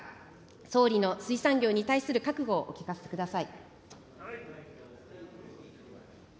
総理の水産業に対する覚悟をお聞かせください。